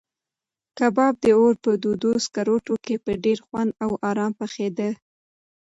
کباب د اور په تودو سکروټو کې په ډېر خوند او ارام پخېده.